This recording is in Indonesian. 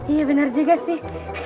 iya benar juga sih